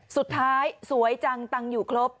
สุดท้ายสวยจังตังค์อยู่ครบ